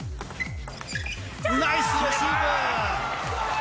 ナイスレシーブ！